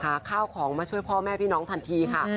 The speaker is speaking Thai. ข้าวของมาช่วยพ่อแม่พี่น้องทันทีค่ะ